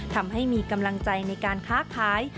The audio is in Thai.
ทำให้มีกำลังใจในการค้าขาย